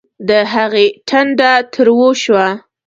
د هغې ټنډه تروه شوه